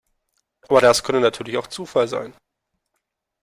Aber das könnte natürlich auch Zufall sein.